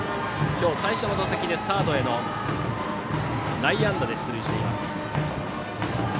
今日最初の打席でサードへの内野安打で出塁しています。